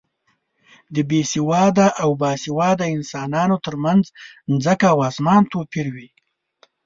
د بې سواده او با سواده انسانو تر منځ ځمکه او اسمان توپیر وي.